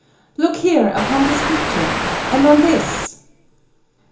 "Look here, upon this picture, and on this."